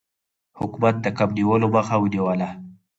حکومت د کب نیولو مخه ونیوله.